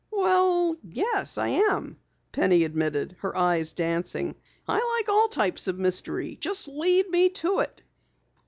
"Well, yes, I am," Penny admitted, her eyes dancing. "I like all types of mystery. Just lead me to it!"